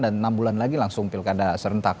dan enam bulan lagi langsung pilkada serentak